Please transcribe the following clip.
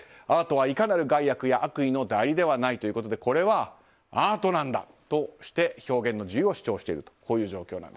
アートはいかなる害悪や悪意の代理ではないということでこれはアートなんだとして表現の自由を主張している状況。